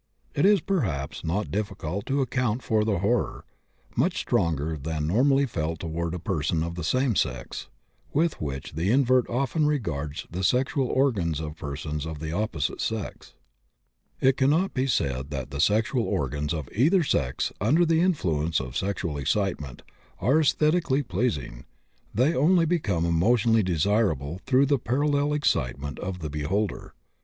It is, perhaps, not difficult to account for the horror much stronger than that normally felt toward a person of the same sex with which the invert often regards the sexual organs of persons of the opposite sex. It cannot be said that the sexual organs of either sex under the influence of sexual excitement are esthetically pleasing; they only become emotionally desirable through the parallel excitement of the beholder.